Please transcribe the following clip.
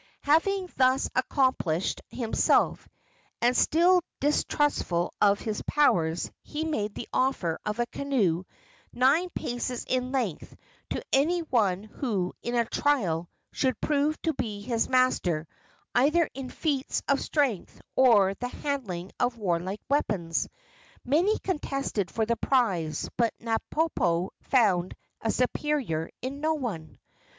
Having thus accomplished himself, and still distrustful of his powers, he made the offer of a canoe nine paces in length to any one who in a trial should prove to be his master either in feats of strength or the handling of warlike weapons. Many contested for the prize, but Napopo found a superior in no one.